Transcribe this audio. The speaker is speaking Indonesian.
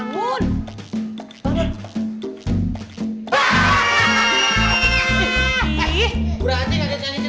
buru anjing ada yang janjin aja